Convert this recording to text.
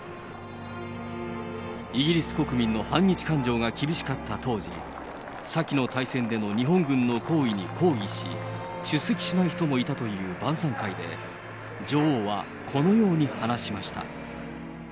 イギリス国民の反日感情が厳しかった当時、先の大戦での日本軍の行為に抗議し、出席しない人もいたという晩さん会で、女王はこのように話しました。